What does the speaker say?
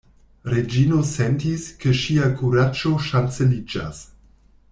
Reĝino sentis, ke ŝia kuraĝo ŝanceliĝas.